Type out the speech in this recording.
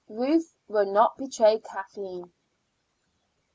RUTH WILL NOT BETRAY KATHLEEN.